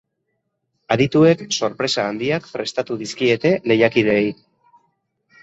Adituek sorpresa handiak prestatu dizkiete lehiakideei.